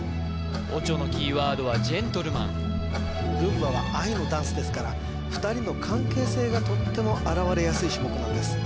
オチョのキーワードはジェントルマンルンバは愛のダンスですから２人の関係性がとっても表れやすい種目なんです